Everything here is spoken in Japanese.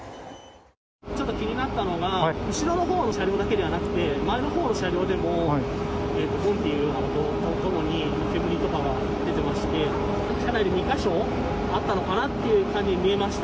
ちょっと気になったのが、後ろのほうの車両だけではなくて、前のほうの車両でもぼんというような音とともに、煙とかも出てまして、車内で２か所あったのかなっていう感じに見えました。